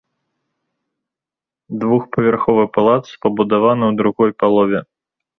Двухпавярховы палац пабудаваны ў другой пал.